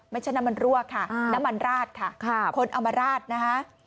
ไม่ใช่น้ำมันรั่วค่ะน้ำมันราดค่ะคนเอามาราดนะคะ